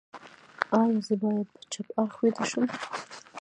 ایا زه باید په چپ اړخ ویده شم؟